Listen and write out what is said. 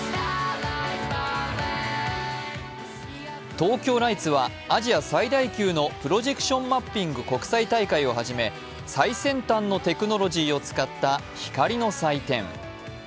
ＴＯＫＹＯＬＩＧＨＴＳはアジア最大級のプロジェクションマッピング国際大会をはじめ最先端のテクノロジーを使った光の祭典。